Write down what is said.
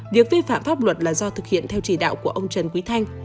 việc vi phạm pháp luật là do thực hiện theo chỉ đạo của ông trần quý thanh